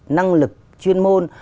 năng lực chuyên môn